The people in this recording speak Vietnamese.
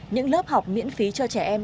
những lớp học miễn phí cho trẻ em